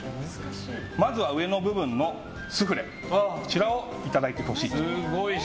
まずは上の部分のスフレをいただいてほしいと。